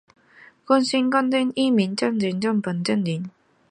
古贺稔彦是一名日本男子柔道运动员。